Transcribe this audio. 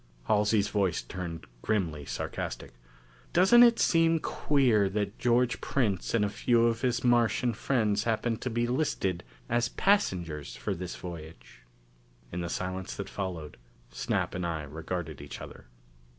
Halsey's voice turned grimly sarcastic. "Doesn't it seem queer that George Prince and a few of his Martian friends happen to be listed as passengers for this voyage?" In the silence that followed, Snap and I regarded each other.